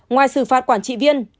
ngoài xử phạt quản trị viên